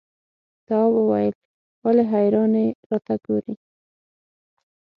تواب وويل: ولې حیرانې راته ګوري؟